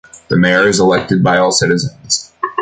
The mayor is elected by all citizens.